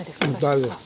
大丈夫？